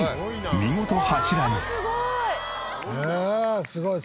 見事柱に。